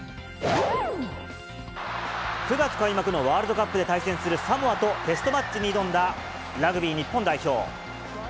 ９月開幕のワールドカップで対戦するサモアとテストマッチに挑んだラグビー日本代表。